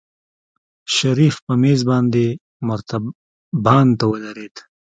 شريف په مېز باندې مرتبان ته ودرېد.